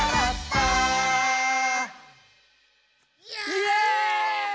イエーイ！